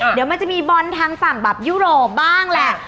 เดี๋ยวมันจะมีบอลทางฝั่งแบบยุโรปบ้างแหละ